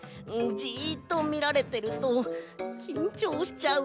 じっとみられてるときんちょうしちゃって。